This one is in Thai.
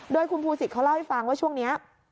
โดยคุณภูศิษย์เขาเล่าให้ฟังว่าช่วงนี้